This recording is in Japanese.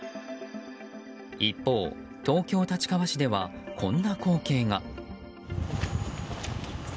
一方、東京・立川市ではこんな光景が。